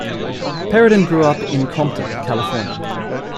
Perrodin grew up in Compton, California.